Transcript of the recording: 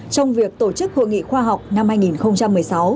trong việc tổ chức hội nghị khoa học năm hai nghìn một mươi sáu